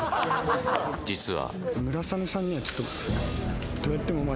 実は。